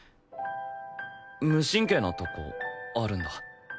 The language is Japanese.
無神経なとこあるんだ。